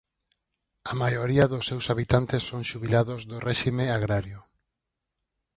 A maioría dos seus habitantes son xubilados do réxime agrario.